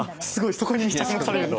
そこに着目されるとは。